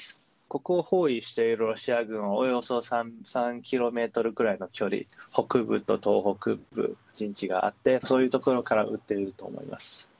ここを包囲しているロシア軍は、およそ３キロメートルぐらいの距離、北部と東北部、陣地があって、そういう所から撃ってると思います。